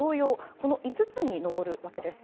この５つに上るわけです。